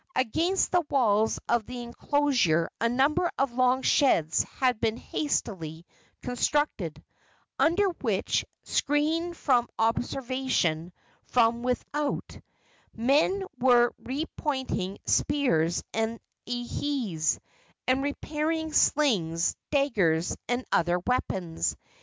Against the walls of the enclosure a number of long sheds had been hastily constructed, under which, screened from observation from without, men were repointing spears and ihes, and repairing slings, daggers and other weapons.